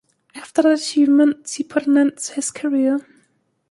After that achievement, he put an end to his career.